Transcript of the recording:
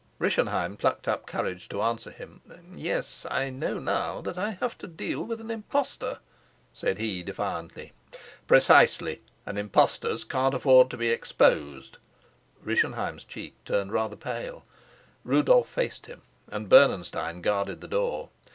Rischenheim plucked up courage to answer him. "Yes, I know now that I have to deal with an impostor," said he defiantly. "Precisely. And impostors can't afford to be exposed." Rischenheim's cheek turned rather pale. Rudolf faced him, and Bernenstein guarded the door.